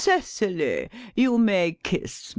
Cecily, you may kiss me!